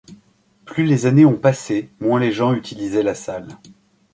Plus les années ont passé, moins les gens utilisaient la salle.